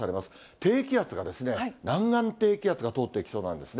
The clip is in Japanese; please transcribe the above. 低気圧が、南岸低気圧が通っていきそうなんですね。